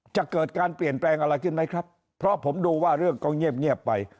จะเกิดการเปลี่ยนแปลงอะไรขึ้นไหมครับเพราะผมดูว่าเรื่องก็เงียบไป